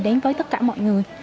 đến với tất cả mọi người